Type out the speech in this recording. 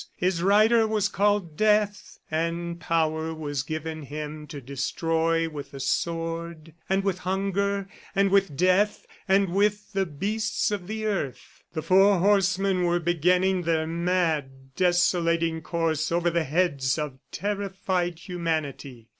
His rider was called Death, and power was given him to destroy with the sword and with hunger and with death, and with the beasts of the earth. The four horsemen were beginning their mad, desolating course over the heads of terrified humanity.